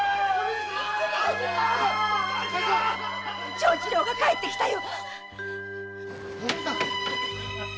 長次郎が帰ってきたよ！